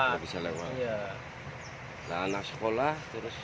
nah anak sekolah terus